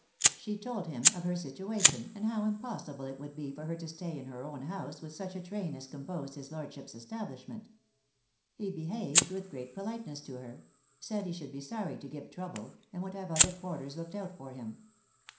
She told him of her situation, and how impossible it would be for her to stay in her own house with such a train as composed his lordship's establishment. He behaved with great politeness to her; said he should be sorry to give trouble, and would have other quarters looked out for him.